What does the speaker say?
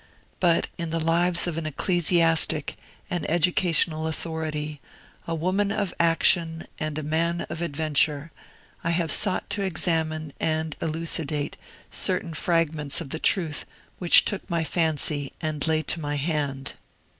But, in the lives of an ecclesiastic, an educational authority, a woman of action, and a man of adventure, I have sought to examine and elucidate certain fragments of the truth which took my fancy and lay to my hand.